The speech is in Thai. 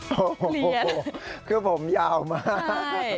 โอ้โหคือผมยาวมาก